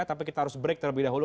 tapi kita harus break terlebih dahulu